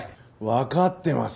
わかってます。